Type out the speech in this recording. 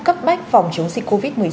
cấp bách phòng chống dịch covid một mươi chín